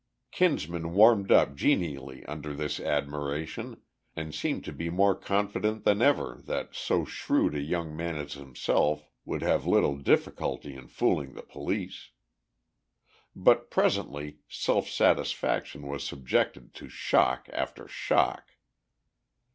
Kinsman warmed up genially under this admiration, and seemed to be more confident than ever that so shrewd a young man as himself would have little difficulty in fooling the police. But presently self satisfaction was subjected to shock after shock.